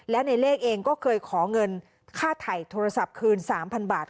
และในเลขเองก็เคยขอเงินค่าถ่ายโทรศัพท์คืน๓๐๐บาท